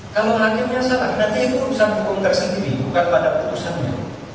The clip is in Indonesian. kalau hakimnya salah nanti itu urusan hukum tersendiri bukan pada putusannya